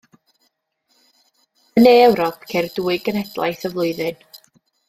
Yn ne Ewrop ceir dwy genhedlaeth y flwyddyn.